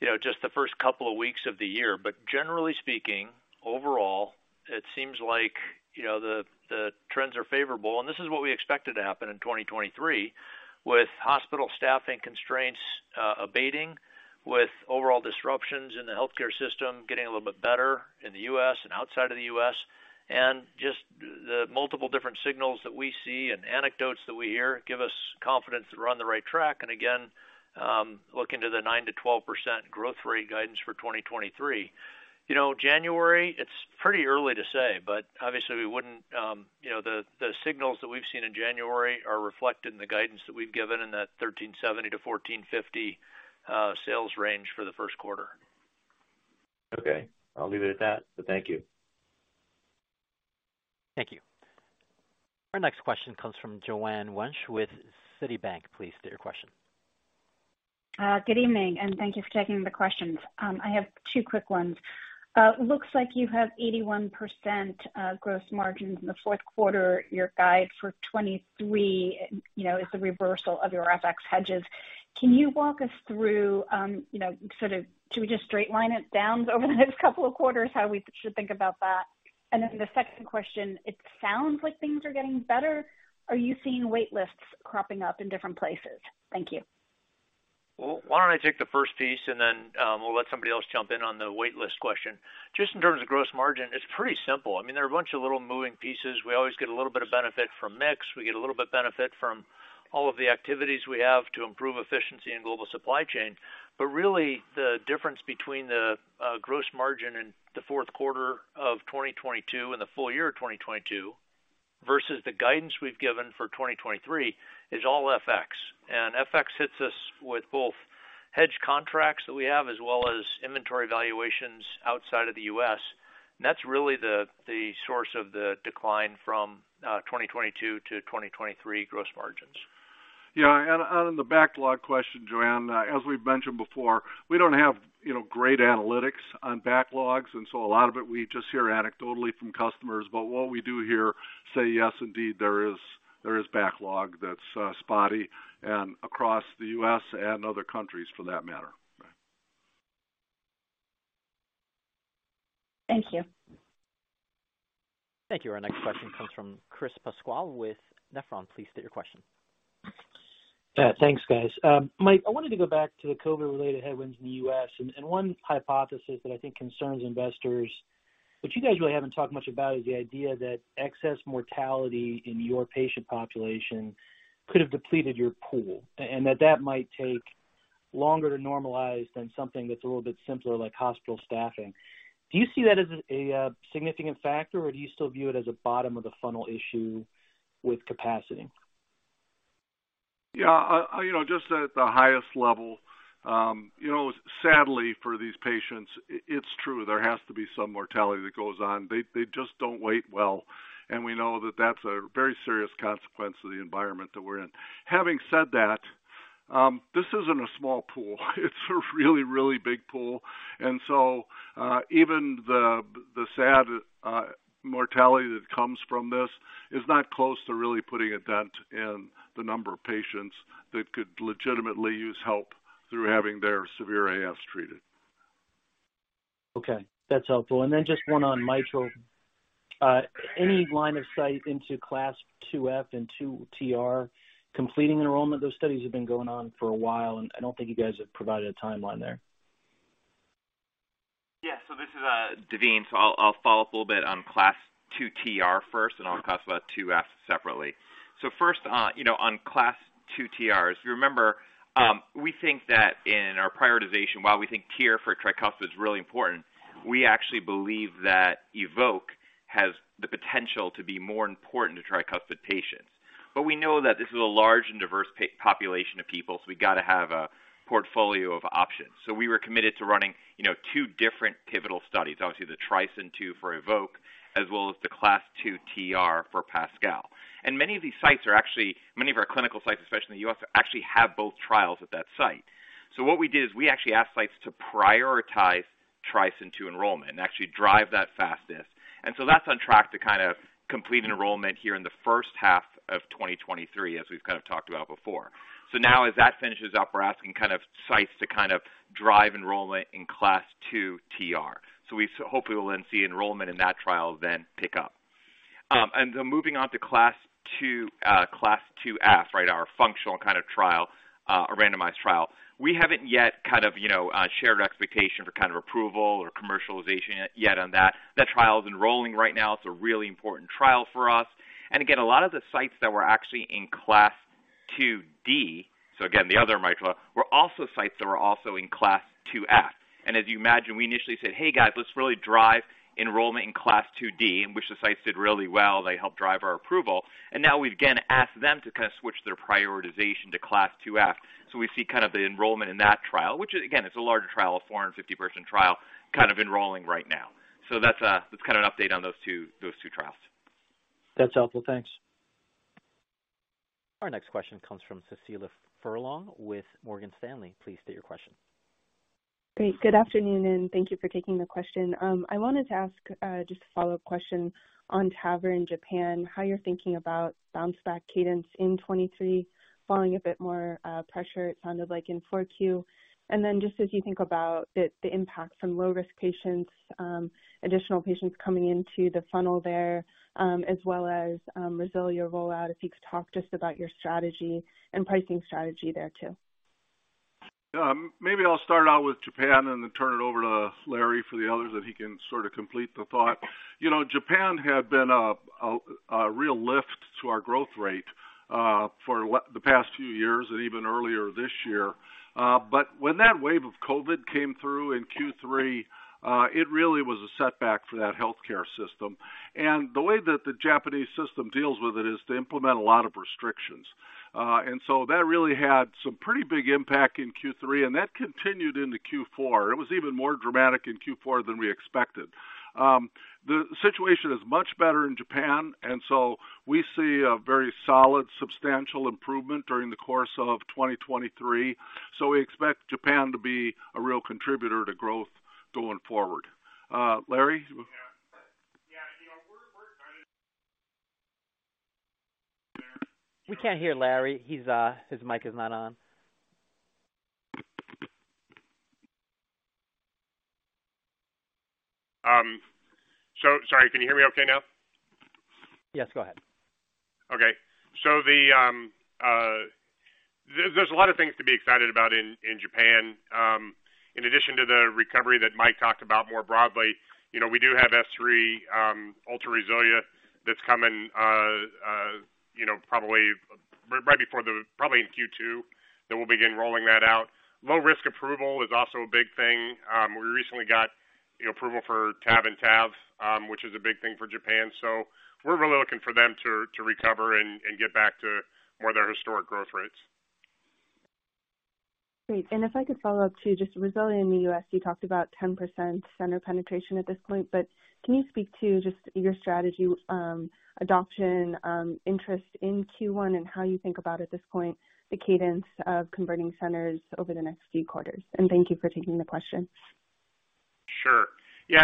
you know, just the first couple of weeks of the year. Generally speaking, overall, it seems like, you know, the trends are favorable, and this is what we expected to happen in 2023. With hospital staffing constraints, abating, with overall disruptions in the healthcare system getting a little bit better in the U.S. and outside of the U.S., and just the multiple different signals that we see and anecdotes that we hear give us confidence that we're on the right track. Again, look into the 9%-12% growth rate guidance for 2023. You know, January, it's pretty early to say, but obviously we wouldn't, you know, the signals that we've seen in January are reflected in the guidance that we've given in that $1,370 million-$1,450 million sales range for the first quarter. Okay. I'll leave it at that. Thank you. Thank you. Our next question comes from Joanne Wuensch with Citibank. Please state your question. Good evening, and thank you for taking the questions. I have two quick ones. Looks like you have 81%, gross margins in the fourth quarter. Your guide for 2023, you know, is a reversal of your FX hedges. Can you walk us through, you know, sort of do we just straight line it down over the next couple of quarters, how we should think about that? The second question, it sounds like things are getting better. Are you seeing wait lists cropping up in different places? Thank you. Why don't I take the first piece and then we'll let somebody else jump in on the waitlist question. Just in terms of gross margin, it's pretty simple. I mean, there are a bunch of little moving pieces. We always get a little bit of benefit from mix. We get a little bit of benefit from all of the activities we have to improve efficiency in global supply chain. Really, the difference between the gross margin in the fourth quarter of 2022 and the full year of 2022 versus the guidance we've given for 2023 is all FX. FX hits us with both hedge contracts that we have, as well as inventory valuations outside of the U.S. That's really the source of the decline from 2022 to 2023 gross margins. Yeah. On the backlog question, Joanne, as we've mentioned before, we don't have, you know, great analytics on backlogs. A lot of it we just hear anecdotally from customers. What we do hear say, yes, indeed, there is backlog that's spotty and across the U.S. and other countries for that matter. Thank you. Thank you. Our next question comes from Chris Pasquale with Nephron. Please state your question. Yeah, thanks, guys. Mike, I wanted to go back to the COVID-related headwinds in the US. One hypothesis that I think concerns investors, which you guys really haven't talked much about, is the idea that excess mortality in your patient population could have depleted your pool, and that that might take longer to normalize than something that's a little bit simpler, like hospital staffing. Do you see that as a significant factor, or do you still view it as a bottom of the funnel issue with capacity? Yeah. You know, just at the highest level, you know, sadly for these patients, it's true, there has to be some mortality that goes on. They just don't wait well, and we know that that's a very serious consequence of the environment that we're in. Having said that, this isn't a small pool. It's a really, really big pool. Even the sad mortality that comes from this is not close to really putting a dent in the number of patients that could legitimately use help through having their severe AS treated. Okay, that's helpful. Then just one on mitral. Any line of sight into CLASP IIF and CLASP II TR completing enrollment? Those studies have been going on for a while, and I don't think you guys have provided a timeline there. This is Daveen. I'll follow up a little bit on CLASP II TR first, and I'll talk about CLASP IIF separately. First, you know, on CLASP II TRs, if you remember, we think that in our prioritization, while we think tear for tricuspid is really important, we actually believe that EVOQUE has the potential to be more important to tricuspid patients. We know that this is a large and diverse population of people, we got to have a portfolio of options. We were committed to running, you know, two different pivotal studies. Obviously, the TRISCEND II for EVOQUE, as well as the CLASP II TR for PASCAL. Many of these sites are actually many of our clinical sites, especially in the U.S., actually have both trials at that site. What we did is we actually asked sites to prioritize TRISCEND II enrollment and actually drive that fastest. That's on track to kind of complete enrollment here in the first half of 2023, as we've kind of talked about before. As that finishes up, we're asking kind of sites to kind of drive enrollment in CLASP II TR. We hopefully will then see enrollment in that trial then pick up. Moving on to CLASP II, CLASP IIF, right our functional kind of trial, a randomized trial. We haven't yet kind of, you know, shared expectation for kind of approval or commercialization yet on that. That trial is enrolling right now. It's a really important trial for us. Again, a lot of the sites that were actually in CLASP IID, so again, the other micro, were also sites that were also in CLASP IIF. As you imagine, we initially said, "Hey guys, let's really drive enrollment in CLASP IID," in which the sites did really well. They helped drive our approval. Now we've again asked them to kind of switch their prioritization to CLASP IIF. We see kind of the enrollment in that trial, which again, is a larger trial, a 450 person trial kind of enrolling right now. That's kind of an update on those two, those two trials. That's helpful. Thanks. Our next question comes from Cecilia Furlong with Morgan Stanley. Please state your question. Great. Good afternoon, and thank you for taking the question. I wanted to ask just a follow-up question on TAVR in Japan, how you're thinking about bounce back cadence in 2023 following a bit more pressure, it sounded like in four Q. Just as you think about the impact from low-risk patients, additional patients coming into the funnel there, as well as RESILIA rollout, if you could talk to us about your strategy and pricing strategy there too. Maybe I'll start out with Japan and then turn it over to Larry for the others, that he can sort of complete the thought. You know, Japan had been a real lift to our growth rate for the past few years and even earlier this year. But when that wave of COVID came through in Q3, it really was a setback for that healthcare system. The way that the Japanese system deals with it is to implement a lot of restrictions. So that really had some pretty big impact in Q3, and that continued into Q4. It was even more dramatic in Q4 than we expected. The situation is much better in Japan, so we see a very solid, substantial improvement during the course of 2023. We expect Japan to be a real contributor to growth going forward. Larry? Yeah. You know, we're excited We can't hear Larry. He's, his mic is not on. Sorry, can you hear me okay now? Yes, go ahead. There's a lot of things to be excited about in Japan. In addition to the recovery that Mike talked about more broadly, you know, we do have S3 Ultra RESILIA that's coming, you know, probably in Q2, then we'll begin rolling that out. Low risk approval is also a big thing. We recently got approval for TAV and TAV, which is a big thing for Japan. We're really looking for them to recover and get back to more of their historic growth rates. Great. If I could follow up too, just RESILIA in the U.S., you talked about 10% center penetration at this point, but can you speak to just your strategy, adoption, interest in Q1 and how you think about at this point, the cadence of converting centers over the next few quarters? Thank you for taking the question. Sure. Yeah.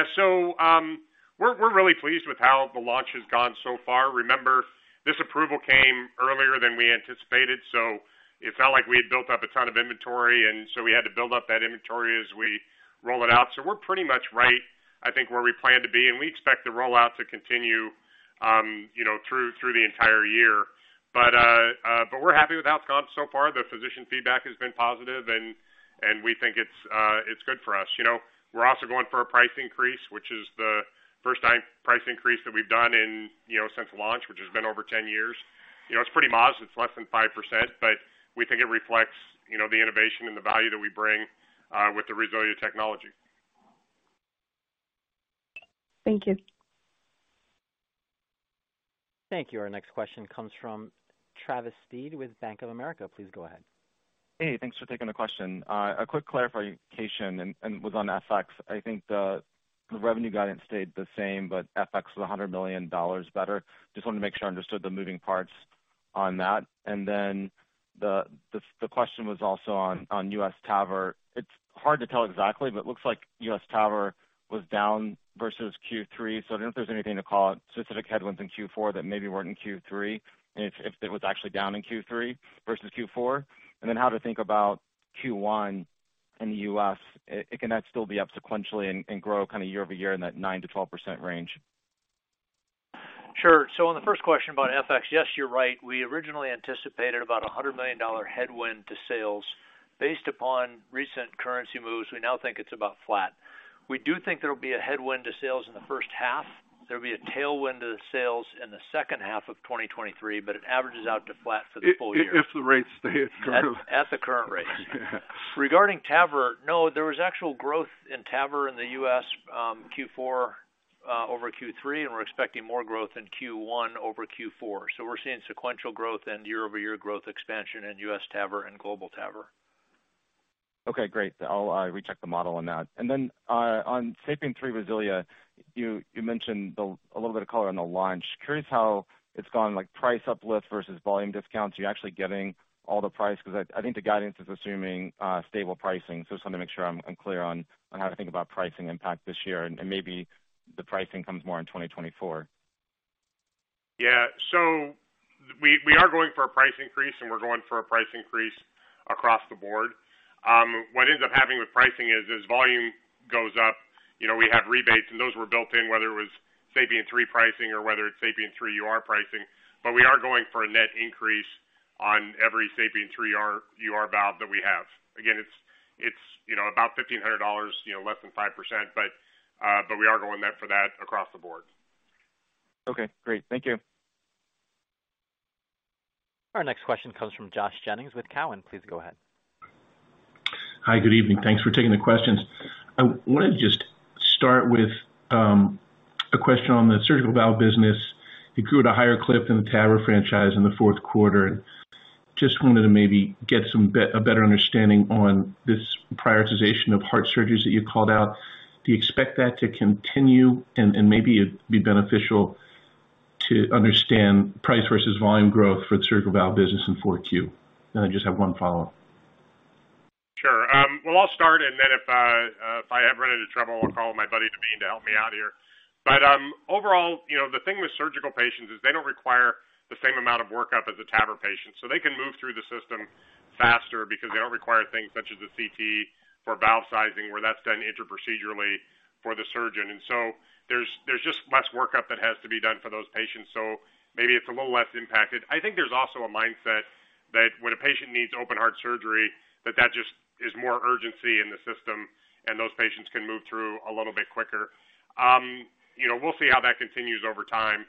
We're really pleased with how the launch has gone so far. Remember, this approval came earlier than we anticipated, so it's not like we had built up a ton of inventory, and so we had to build up that inventory as we roll it out. We're pretty much right, I think, where we plan to be, and we expect the rollout to continue, you know, through the entire year. But we're happy with how it's gone so far. The physician feedback has been positive and we think it's good for us. You know, we're also going for a price increase, which is the first time price increase that we've done in, you know, since launch, which has been over 10 years. You know, it's pretty modest, it's less than 5%, but we think it reflects, you know, the innovation and the value that we bring with the RESILIA technology. Thank you. Thank you. Our next question comes from Travis Steed with Bank of America. Please go ahead. Thanks for taking the question. A quick clarification and was on FX. I think the revenue guidance stayed the same, but FX was $100 million better. Just wanted to make sure I understood the moving parts on that. The question was also on US TAVR. It's hard to tell exactly, but it looks like US TAVR was down versus Q3. I don't know if there's anything to call it, specific headwinds in Q4 that maybe weren't in Q3, and if it was actually down in Q3 versus Q4. How to think about Q1 in the US, it cannot still be up sequentially and grow kind of year-over-year in that 9%-12% range. Sure. On the first question about FX, yes, you're right. We originally anticipated about a $100 million headwind to sales. Based upon recent currency moves, we now think it's about flat. We do think there will be a headwind to sales in the first half. There'll be a tailwind to the sales in the second half of 2023, but it averages out to flat for the full year. If the rates stay its course. At the current rates. Yeah. Regarding TAVR, no, there was actual growth in TAVR in the US, Q4, over Q3, and we're expecting more growth in Q1 over Q4. We're seeing sequential growth and year-over-year growth expansion in US TAVR and global TAVR. Okay, great. I'll recheck the model on that. Then on SAPIEN 3 RESILIA, you mentioned a little bit of color on the launch. Curious how it's gone, like price uplift versus volume discounts. Are you actually getting all the price? Because I think the guidance is assuming stable pricing. Just want to make sure I'm clear on how to think about pricing impact this year, and maybe the pricing comes more in 2024. We are going for a price increase and we're going for a price increase across the board. What ends up happening with pricing is, as volume goes up, you know, we have rebates and those were built in, whether it was SAPIEN 3 pricing or whether it's SAPIEN 3 Ultra RESILIA pricing. We are going for a net increase on every SAPIEN 3 Ultra RESILIA valve that we have. Again, it's, you know, about $1,500, you know less than 5%. We are going net for that across the board. Okay, great. Thank you. Our next question comes from Joshua Jennings with Cowen. Please go ahead. Hi, good evening. Thanks for taking the questions. I wanted to just start with a question on the surgical valve business. It grew at a higher clip than the TAVR franchise in the fourth quarter. Just wanted to maybe get a better understanding on this prioritization of heart surgeries that you called out. Do you expect that to continue and maybe it'd be beneficial to understand price versus volume growth for the surgical valve business in four Q? I just have one follow-up. Sure. Well, I'll start, and then if I ever run into trouble, I'll call my buddy Navin to help me out here. Overall, you know, the thing with surgical patients is they don't require the same amount of workup as a TAVR patient. They can move through the system faster because they don't require things such as a CT for valve sizing, where that's done intra-procedurally for the surgeon. There's just less workup that has to be done for those patients, so maybe it's a little less impacted. I think there's also a mindset that when a patient needs open heart surgery, that just is more urgency in the system and those patients can move through a little bit quicker. You know, we'll see how that continues over time.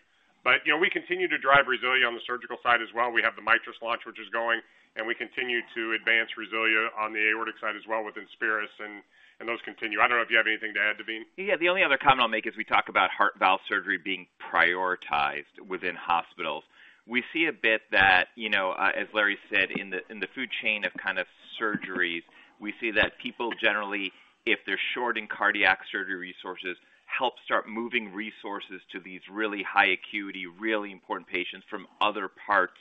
You know, we continue to drive RESILIA on the surgical side as well. We have the MITRIS launch, which is going, and we continue to advance RESILIA on the aortic side as well with Inspiris, and those continue. I don't know if you have anything to add, Navin. Yeah. The only other comment I'll make is, we talk about heart valve surgery being prioritized within hospitals. We see a bit that, you know, as Larry said, in the, in the food chain of kind of surgeries, we see that people generally, if they're short in cardiac surgery resources, help start moving resources to these really high acuity, really important patients from other parts,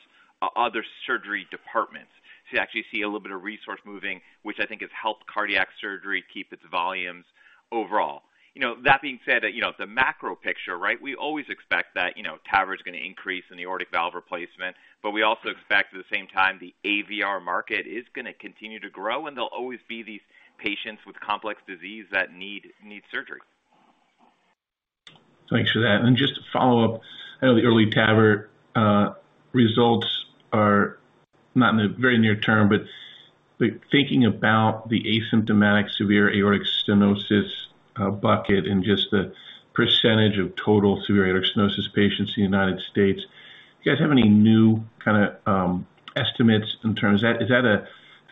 other surgery departments. You actually see a little bit of resource moving, which I think has helped cardiac surgery keep its volumes overall. You know, that being said, you know, the macro picture, right? We always expect that, you know, TAVR is gonna increase in the aortic valve replacement, but we also expect at the same time the AVR market is gonna continue to grow and there'll always be these patients with complex disease that need surgery. Thanks for that. Just to follow up, I know the early TAVR results are not in the very near term, but thinking about the asymptomatic severe aortic stenosis bucket and just the percentage of total severe aortic stenosis patients in the United States, do you guys have any new kinda estimates in terms... Is that a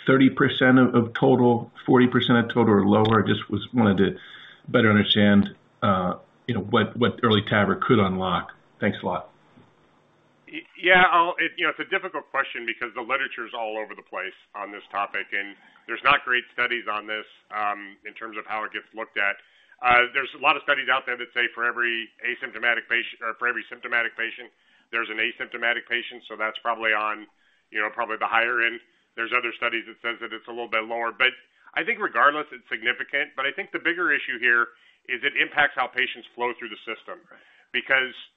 30% of total, 40% of total or lower? Just wanted to better understand, you know, what early TAVR could unlock. Thanks a lot. Yeah, I'll You know, it's a difficult question because the literature's all over the place on this topic, and there's not great studies on this, in terms of how it gets looked at. There's a lot of studies out there that say for every asymptomatic patient or for every symptomatic patient, there's an asymptomatic patient, so that's probably on, you know, probably the higher end. There's other studies that says that it's a little bit lower. I think regardless, it's significant. I think the bigger issue here is it impacts how patients flow through the system.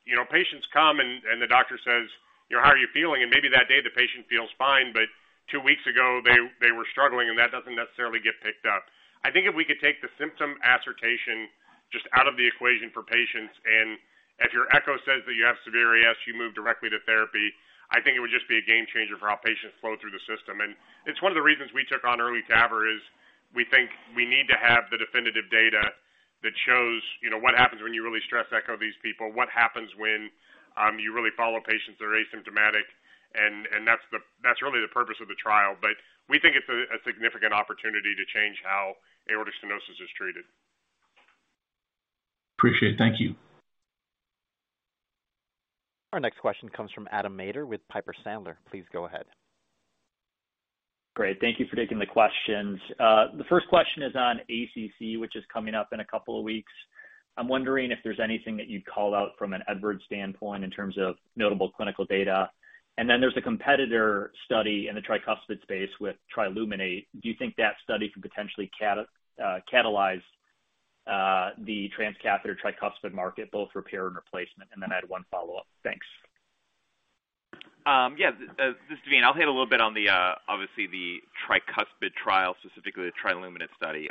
You know, patients come and the doctor says, "How are you feeling?" Maybe that day the patient feels fine, but two weeks ago they were struggling, and that doesn't necessarily get picked up. I think if we could take the symptom assertion just out of the equation for patients, and if your echo says that you have severe AS, you move directly to therapy, I think it would just be a game changer for how patients flow through the system. It's one of the reasons we took on early TAVR, is we think we need to have the definitive data that shows, you know, what happens when you really stress echo these people, what happens when you really follow patients that are asymptomatic. That's really the purpose of the trial. We think it's a significant opportunity to change how aortic stenosis is treated. Appreciate it. Thank you. Our next question comes from Adam Maeder with Piper Sandler. Please go ahead. Great. Thank you for taking the questions. The first question is on ACC, which is coming up in a couple of weeks. I'm wondering if there's anything that you'd call out from an Edwards standpoint in terms of notable clinical data. There's a competitor study in the tricuspid space with TRILUMINATE. Do you think that study could potentially catalyze the transcatheter tricuspid market, both repair and replacement? I had one follow-up. Thanks. Yeah. This is Navin. I'll hit a little bit on the obviously the tricuspid trial, specifically the TRILUMINATE study.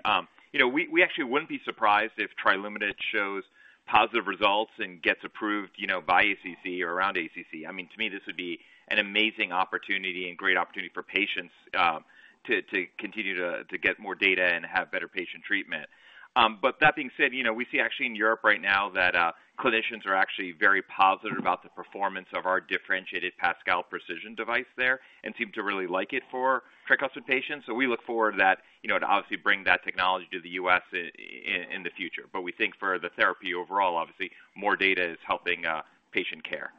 You know, we actually wouldn't be surprised if TRILUMINATE shows positive results and gets approved, you know, by ACC or around ACC. I mean, to me this would be an amazing opportunity and great opportunity for patients to continue to get more data and have better patient treatment. That being said, you know, we see actually in Europe right now that clinicians are actually very positive about the performance of our differentiated PASCAL Precision device there and seem to really like it for tricuspid patients. We look forward to that, you know, to obviously bring that technology to the U.S. in the future. We think for the therapy overall, obviously more data is helping patient care.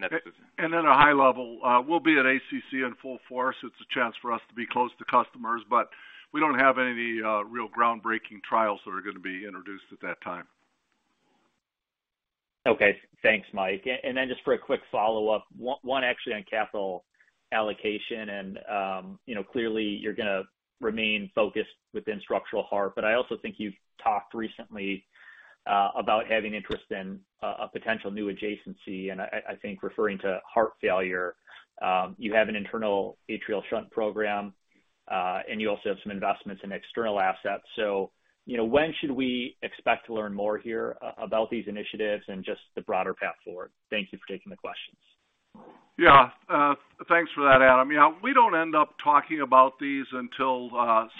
that's- At a high level, we'll be at ACC in full force. It's a chance for us to be close to customers. We don't have any real groundbreaking trials that are gonna be introduced at that time. Okay. Thanks, Mike. Just for a quick follow-up, one actually on capital allocation and, you know, clearly you're gonna remain focused within structural heart, but I also think you've talked recently about having interest in a potential new adjacency, and I think referring to heart failure. You have an internal atrial shunt program, and you also have some investments in external assets. You know, when should we expect to learn more here about these initiatives and just the broader path forward? Thank you for taking the questions. Yeah. Thanks for that, Adam. Yeah, we don't end up talking about these until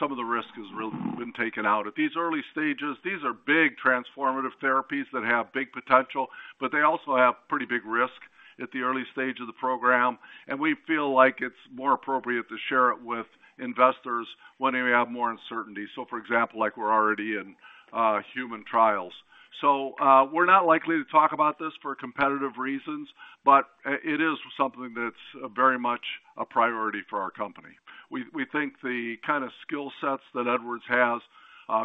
some of the risk has really been taken out. At these early stages, these are big transformative therapies that have big potential, but they also have pretty big risk at the early stage of the program. We feel like it's more appropriate to share it with investors when we have more uncertainty. For example, like we're already in human trials. We're not likely to talk about this for competitive reasons, but it is something that's very much a priority for our company. We think the kinda skill sets that Edwards has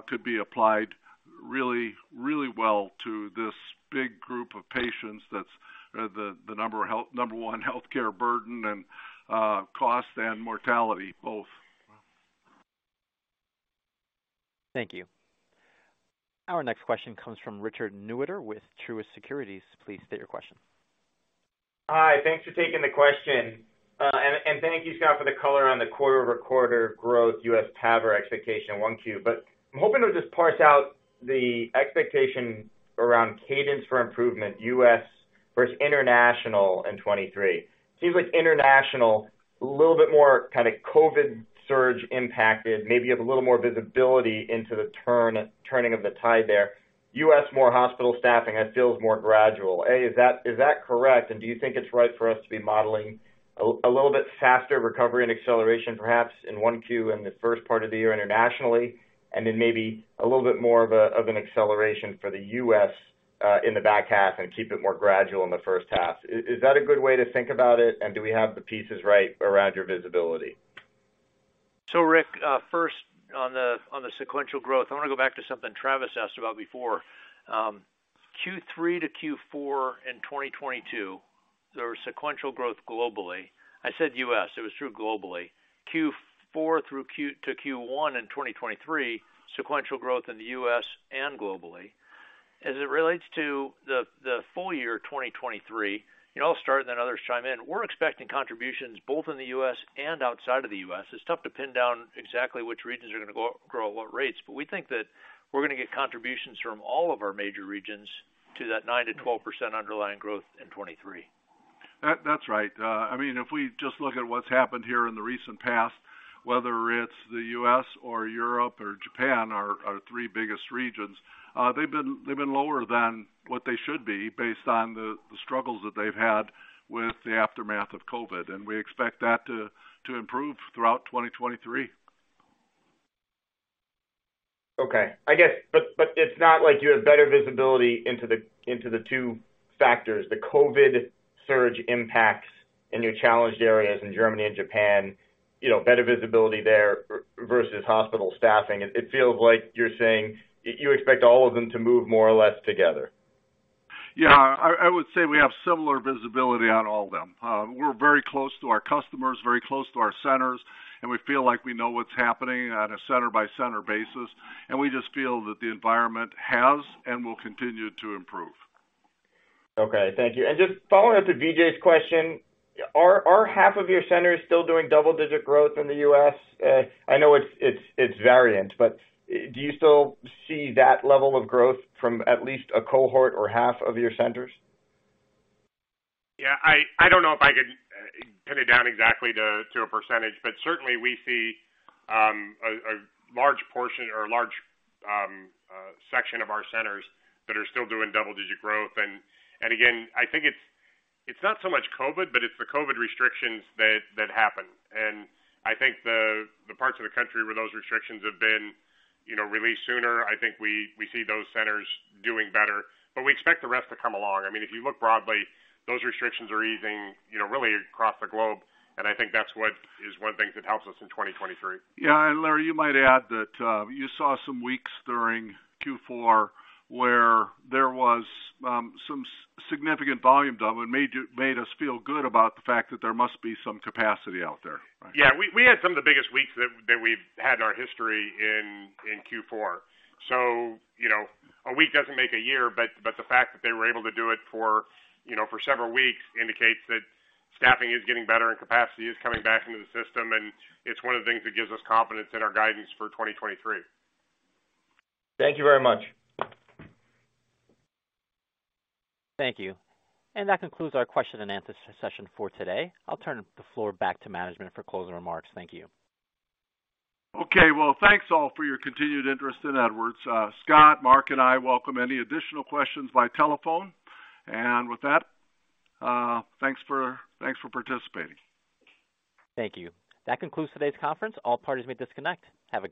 could be applied really, really well to this big group of patients that's the number one healthcare burden and cost and mortality both. Thank you. Our next question comes from Richard Newitter with Truist Securities. Please state your question. Hi. Thanks for taking the question. and thank you, Scott, for the color on the quarter-over-quarter growth U.S. TAVR expectation in 1Q. I'm hoping to just parse out the expectation around cadence for improvement, U.S. versus international in 2023. Seems like international, a little bit more kind of COVID surge impacted, maybe you have a little more visibility into the turning of the tide there. U.S., more hospital staffing, that feels more gradual. Is that correct? Do you think it's right for us to be modeling a little bit faster recovery and acceleration perhaps in 1Q in the first part of the year internationally, and then maybe a little bit more of an acceleration for the U.S. in the back half and keep it more gradual in the first half? Is that a good way to think about it? Do we have the pieces right around your visibility? Rick, first on the, on the sequential growth, I wanna go back to something Travis asked about before. Q3 to Q4 in 2022, there was sequential growth globally. I said U.S., it was true globally. Q4 through to Q1 in 2023, sequential growth in the U.S. and globally. As it relates to the full year 2023, and I'll start and then others chime in, we're expecting contributions both in the U.S. and outside of the U.S. It's tough to pin down exactly which regions are gonna grow at what rates, but we think that we're gonna get contributions from all of our major regions to that 9%-12% underlying growth in 2023. That's right. I mean, if we just look at what's happened here in the recent past, whether it's the U.S. or Europe or Japan, our three biggest regions, they've been lower than what they should be based on the struggles that they've had with the aftermath of COVID, and we expect that to improve throughout 2023. Okay. I guess, but it's not like you have better visibility into the two factors, the COVID surge impacts in your challenged areas in Germany and Japan, you know, better visibility there versus hospital staffing. It feels like you're saying you expect all of them to move more or less together. Yeah. I would say we have similar visibility on all of them. We're very close to our customers, very close to our centers, and we feel like we know what's happening on a center-by-center basis, and we just feel that the environment has and will continue to improve. Okay. Thank you. Just following up to Vijay's question, are half of your centers still doing double-digit growth in the U.S.? I know it's variant, but do you still see that level of growth from at least a cohort or half of your centers? Yeah. I don't know if I could pin it down exactly to a percentage, but certainly we see a large portion or a large section of our centers that are still doing double-digit growth. Again, I think it's not so much COVID, but it's the COVID restrictions that happened. I think the parts of the country where those restrictions have been, you know, released sooner, I think we see those centers doing better. We expect the rest to come along. I mean, if you look broadly, those restrictions are easing, you know, really across the globe, and I think that's what is one of the things that helps us in 2023. Yeah. Larry, you might add that you saw some weeks during Q4 where there was significant volume done that made us feel good about the fact that there must be some capacity out there, right? Yeah. We had some of the biggest weeks that we've had in our history in Q4. You know, a week doesn't make a year, but the fact that they were able to do it for, you know, for several weeks indicates that staffing is getting better and capacity is coming back into the system, and it's one of the things that gives us confidence in our guidance for 2023. Thank you very much. Thank you. That concludes our question and answer session for today. I'll turn the floor back to management for closing remarks. Thank you. Okay. Well, thanks, all, for your continued interest in Edwards. Scott, Mark, and I welcome any additional questions via telephone. With that, thanks for participating. Thank you. That concludes today's conference. All parties may disconnect. Have a great day.